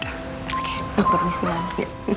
oke permisi mama